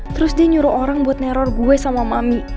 terus dia nyuruh orang buat neror gue sama mami